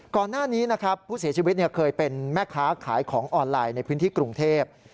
ก่อนหน้านี้นะครับผู้เสียชีวิตเคยเป็นแม่ค้าขายของออนไลน์ในพื้นที่กรุงเทพ